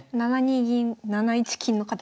７二銀７一金の形。